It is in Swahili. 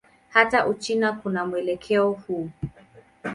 Hata Uchina kuna mwelekeo huu.